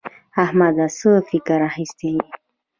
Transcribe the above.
احمده څه فکر اخيستی يې؟